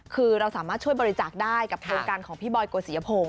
คือเราสามารถช่วยบริจาคได้กับโครงการของพี่บอยโกศิยพงศ